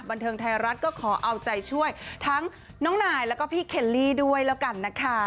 บันเทิงไทยรัฐก็ขอเอาใจช่วยทั้งน้องนายแล้วก็พี่เคลลี่ด้วยแล้วกันนะคะ